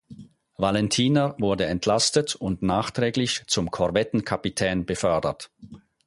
Valentiner wurde entlastet und nachträglich zum Korvettenkapitän befördert.